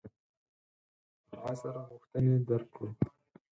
عصر غوښتنې درک کړو.